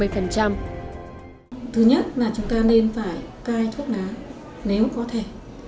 thứ nhất là chúng ta nên phải cai thuốc lá nếu có thể